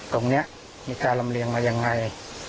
ตรงนี้มีการลำเลียงมายังไง